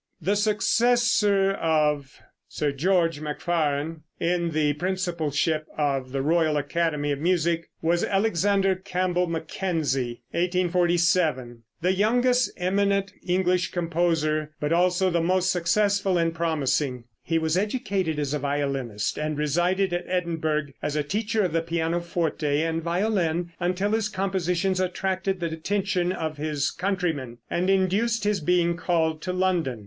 The successor of Sir Geo. Macfarren in the principalship of the Royal Academy of Music was Alexander Campbell Mackenzie (1847 ), the youngest eminent English composer, but also the most successful and promising. He was educated as a violinist, and resided at Edinburgh as a teacher of the pianoforte and violin until his compositions attracted the attention of his countrymen and induced his being called to London.